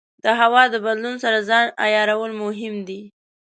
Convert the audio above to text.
د هوا د بدلون سره ځان عیارول مهم دي.